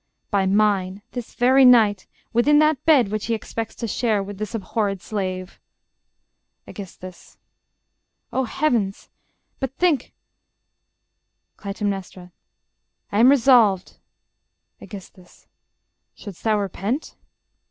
By mine, this very night, Within that bed which he expects to share With this abhorred slave. Aegis. O Heavens! but think ... Cly. I am resolved ... Aegis. Shouldst thou repent?